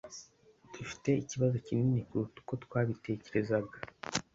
Dufite ikibazo kinini kuruta uko twabitekerezaga